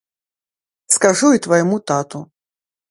Скажу і твайму тату!